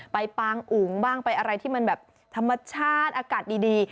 ปางอุ๋งบ้างไปอะไรที่มันแบบธรรมชาติอากาศดี